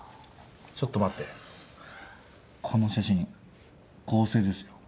ちょっと待ってこの写真合成ですよ。